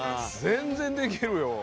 全然できるよ。